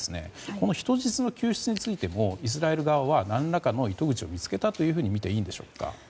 この人質の救出についてもイスラエル側は何らかの糸口を見つけたとみていいでしょうか。